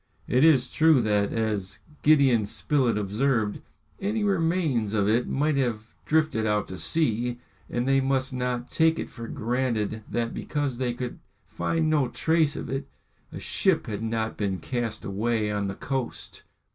It is true that, as Gideon Spilett observed, any remains of it might have drifted out to sea, and they must not take it for granted that because they could find no traces of it, a ship had not been cast away on the coast.